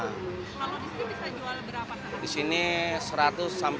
kalau di sini bisa jual berapa